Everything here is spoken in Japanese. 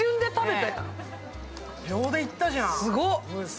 秒でいったじゃん、ムース。